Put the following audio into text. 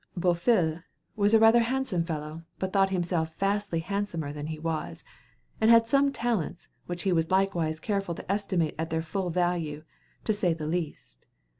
"Beau fils" was rather a handsome fellow, but thought himself vastly handsomer than he was; and had some talents, which he was likewise careful to estimate at their full value, to say the least.